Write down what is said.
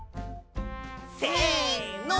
せの！